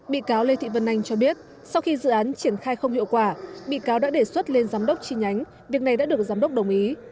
bị cáo lê thị vân anh cho biết sau khi dự án triển khai không hiệu quả bị cáo đã đề xuất lên giám đốc chi nhánh việc này đã được giám đốc đồng ý